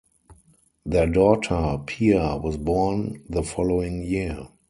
Their daughter, Pia, was born the following year.